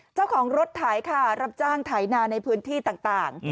เจ้าของรถไถค่ะรับจ้างไถนาในพื้นที่ต่าง